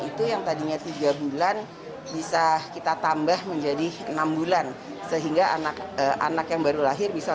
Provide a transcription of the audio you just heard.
itu yang tadinya tiga bulan bisa kita tambah menjadi enam bulan sehingga anak anak yang baru lahir bisa